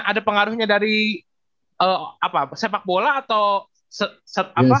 itu ada pengaruhnya dari sepak bola atau set apa